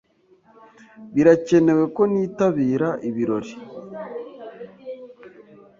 Birakenewe ko nitabira ibirori?